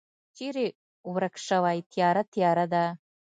چیری ورک شوی تیاره، تیاره ده